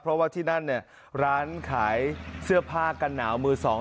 เพราะว่าที่นั่นเนี่ยร้านขายเสื้อผ้ากันหนาวมือสอง